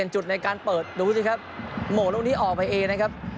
จุดในการเปิดดูสิครับโหมลูกนี้ออกไปเองนะครับ